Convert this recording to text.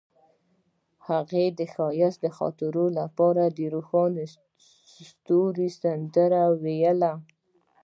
هغې د ښایسته خاطرو لپاره د روښانه ستوري سندره ویله.